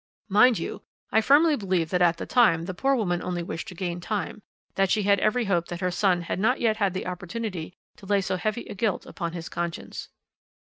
"Mind you, I firmly believe that at the time the poor woman only wished to gain time, that she had every hope that her son had not yet had the opportunity to lay so heavy a guilt upon his conscience.